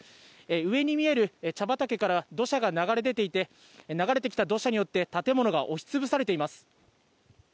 上に見える茶畑から土砂が流れ出ていて流れてきた土砂によって建物が押し潰されています。